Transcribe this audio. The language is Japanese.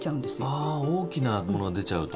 あ大きなものが出ちゃうと。